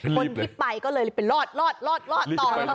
คนรีบไปก็เลยรีบไปรอดรอดรอดรอดต่อ